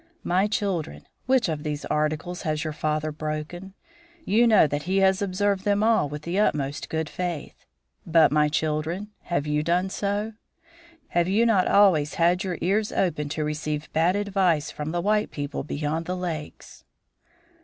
My children, which of these articles has your father broken? You know that he has observed them all with the utmost good faith. But, my children, have you done so? Have you not always had your ears open to receive bad advice from the white people beyond the lakes?"